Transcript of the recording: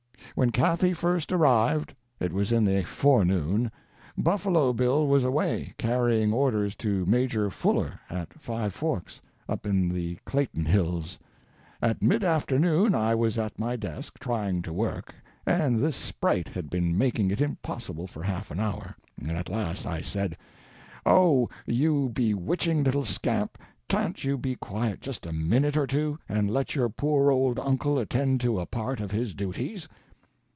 When Cathy first arrived—it was in the forenoon—Buffalo Bill was away, carrying orders to Major Fuller, at Five Forks, up in the Clayton Hills. At mid afternoon I was at my desk, trying to work, and this sprite had been making it impossible for half an hour. At last I said: "Oh, you bewitching little scamp, can't you be quiet just a minute or two, and let your poor old uncle attend to a part of his duties?"